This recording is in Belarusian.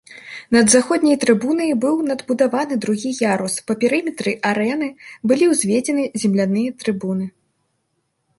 Над заходняй трыбунай быў надбудаваны другі ярус, па перыметры арэны былі ўзведзены земляныя трыбуны.